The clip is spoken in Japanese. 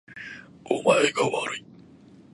お前がわるい